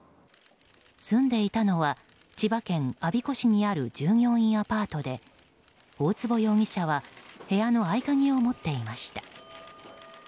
住んでいたのは千葉県我孫子市にある従業員アパートで大坪容疑者は部屋の合鍵を持っていました。